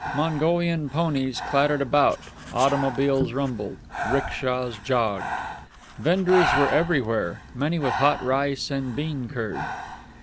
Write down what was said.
Mongolian ponies clattered about, automobiles rumbled, 'rickshas jogged. Venders were everywhere, many with hot rice and bean curd.